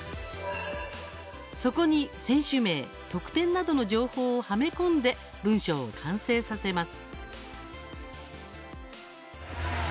そこに選手名、得点などの情報をはめ込んで文章を完成させます。